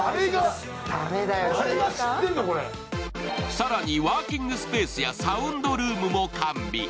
更にワーキングスペースやサウンドルームも完備。